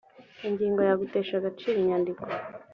ingingo ya gutesha agaciro inyandiko